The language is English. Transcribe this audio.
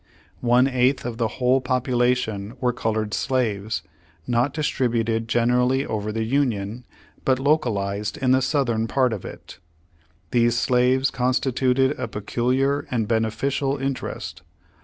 One eighth of the whole population were colored slaves, not distributed generally over the Union, but localized in the Southern part of it. These slaves constituted a peculiar and beneficial inter est.